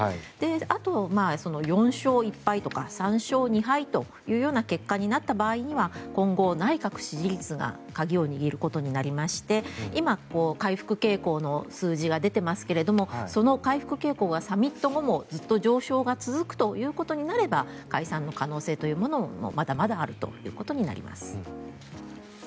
あと、４勝１敗とか３勝２敗という結果になった場合には今後、内閣支持率が鍵を握ることになりまして今、回復傾向の数字が出てますけれどもその回復傾向がサミット後もずっと上昇が続くということになれば解散の可能性というのもまだまだあるということになります。